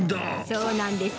そうなんです。